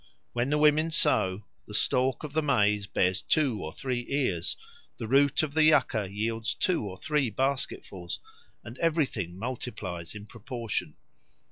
When the women sow, the stalk of the maize bears two or three ears, the root of the yucca yields two or three basketfuls, and everything multiplies in proportion.